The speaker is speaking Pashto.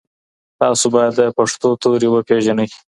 تاسو باید د پښتو توري وپېژنئ.